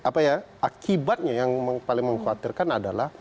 apa ya akibatnya yang paling mengkhawatirkan adalah